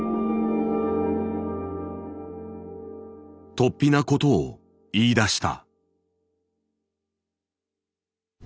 突飛なことを言いだした。